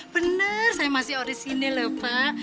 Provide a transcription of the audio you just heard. benar saya masih ori sini lho pak